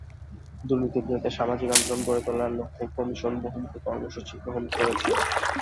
দুর্নীতির বিরুদ্ধে সামাজিক আন্দোলন গড়ে তোলার লক্ষ্যে কমিশন বহুমুখী কর্মসূচি গ্রহণ করেছে।